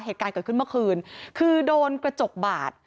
เหตุการณ์เกิดขึ้นเมื่อคืนคือโดนกระจกบาด